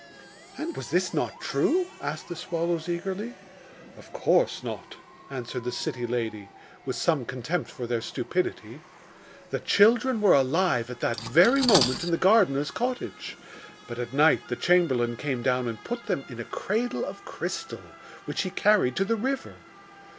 'And was this not true?' asked the swallows eagerly. 'Of course not,' answered the city lady, with some contempt for their stupidity. 'The children were alive at that very moment in the gardener's cottage; but at night the chamberlain came down and put them in a cradle of crystal, which he carried to the river.